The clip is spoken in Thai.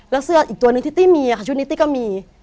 แล้วเสื้ออีกตัวนึงที่ตี้มีค่ะชุดนิตตี้ก็มี